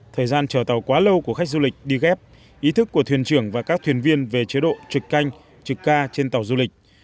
thời gian chờ tàu quá lâu của khách du lịch đi ghép ý thức của thuyền trưởng và các thuyền viên về chế độ trực canh trực ca trên tàu du lịch